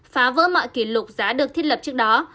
phá vỡ mọi kỷ lục giá được thiết lập trước đó